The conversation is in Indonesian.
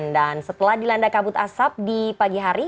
setelah dilanda kabut asap di pagi hari